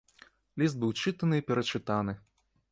Ліст быў чытаны і перачытаны.